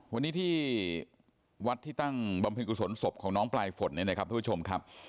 วันนี้ที่วัดที่ตั้งบำคลิกุศลศพของน้องปลายฝนนะครับทุกชมค่ะ